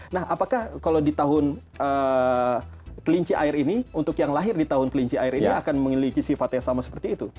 nah apakah kalau di tahun kelinci air ini untuk yang lahir di tahun kelinci air ini akan memiliki sifat yang sama seperti itu